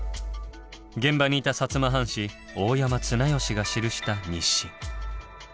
現場にいた摩藩士大山綱良が記した日誌。